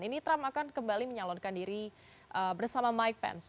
ini trump akan kembali menyalonkan diri bersama mike pence